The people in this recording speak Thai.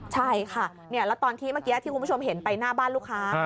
ใช่ค่ะแล้วตอนที่เมื่อกี้ที่คุณผู้ชมเห็นไปหน้าบ้านลูกค้า